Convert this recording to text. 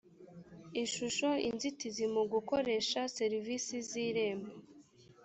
ishusho inzitizi mu gukoresha serivisi z irembo